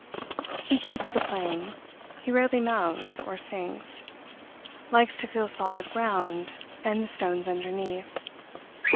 He keeps the plain; he rarely mounts or sinks; likes to feel solid ground, and the stones underneath.